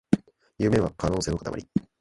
夢は可能性のかたまり